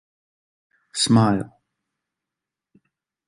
Smile.